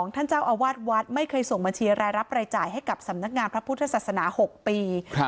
ท่านเจ้าอาวาสวัดไม่เคยส่งบัญชีรายรับรายจ่ายให้กับสำนักงานพระพุทธศาสนา๖ปี